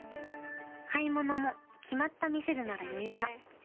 買い物も決まった店でなら余裕だ。